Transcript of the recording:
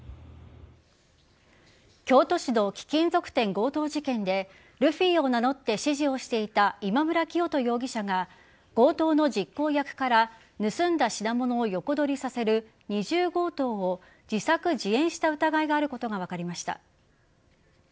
京都市の貴金属店強盗事件でルフィを名乗って指示をしていた今村磨人容疑者が強盗の実行役から盗んだ品物を横取りさせる二重強盗を自作自演した疑いがあることが分かりました。